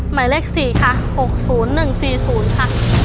หมายเลข๔ค่ะ๖๐๑๔๐ค่ะ